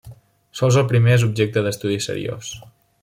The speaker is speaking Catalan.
Sols el primer és objecte d'estudi seriós.